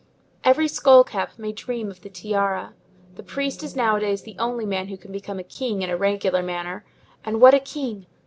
Every skull cap may dream of the tiara. The priest is nowadays the only man who can become a king in a regular manner; and what a king!